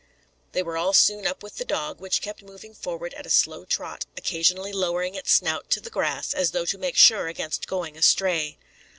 They were all soon up with the dog, which kept moving forward at a slow trot, occasionally lowering its snout to the grass, as though to make sure against going astray.